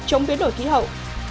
chống biến đổi khí hậu